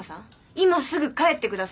今すぐ帰ってください。